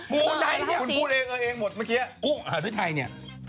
มูลไนท์เนี่ย